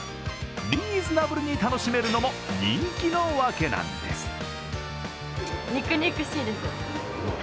リーズナブルに楽しめるのも人気の訳なんです。